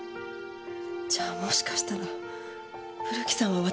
じゃあもしかしたら古木さんは私の事。